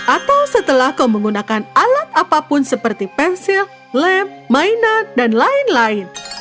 atau setelah kau menggunakan alat apapun seperti pensil lem mainan dan lain lain